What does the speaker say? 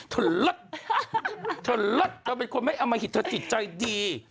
เลิศเธอเลิศเธอเป็นคนไม่อมหิตเธอจิตใจดี